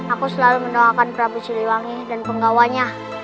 aku selalu mendoakan prabu siliwangi dan penggawanya